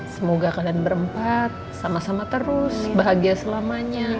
semoga kalian berempat sama sama terus bahagia selamanya